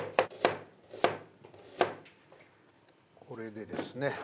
これでですね。